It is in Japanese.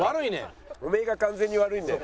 お前が完全に悪いんだよ。